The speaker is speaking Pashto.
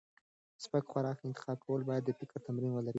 سپک خوراک انتخاب کول باید د فکر تمرین ولري.